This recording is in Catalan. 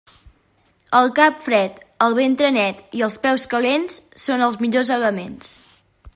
El cap fred, el ventre net i els peus calents són els millors elements.